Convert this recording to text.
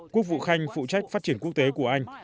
quốc vụ khanh phụ trách phát triển quốc tế của anh